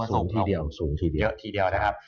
สูงทีเดียวสูงทีเดียวทีเดียวนะครับ